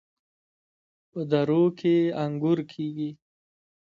په درو کې انګور کیږي.